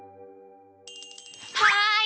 はい！